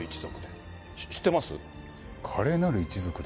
華麗なる一族で。